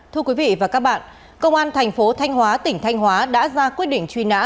thưa quý vị và các bạn công an thành phố thanh hóa tỉnh thanh hóa đã ra quyết định truy nã